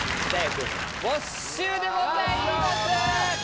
君没収でございます！